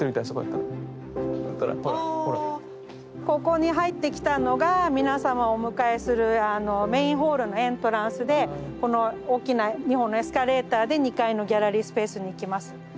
ここに入ってきたのが皆様をお迎えするメインホールのエントランスでこの大きな２本のエスカレーターで２階のギャラリースペースに行きます。